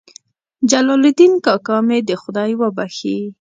جلال الدین کاکا مې دې خدای وبخښي.